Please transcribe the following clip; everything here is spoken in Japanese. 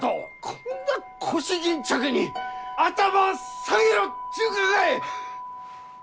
こんな腰巾着に頭下げろっちゅうがかい！